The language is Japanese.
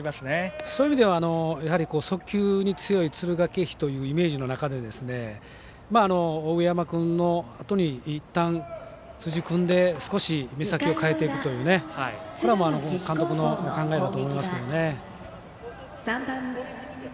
そういう意味ではやはり速球に強い敦賀気比というイメージの中で上山君のあとにいったん、辻君で少し目先を変えていくという監督のお考えだと思いますけどね。